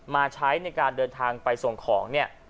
มาใช้ในการเดินทางไปส่งของเนี่ย